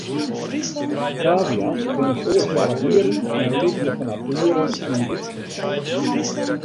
Kavia's binne sosjale dieren en libje fan natuere yn groepsferbân.